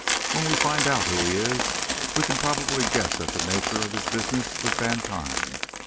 When we find out who he is, we can probably guess at the nature of his business with Vantine.